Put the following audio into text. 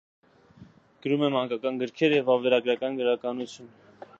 Գրում է մանկական գրքեր և վավերագրական գրականություն։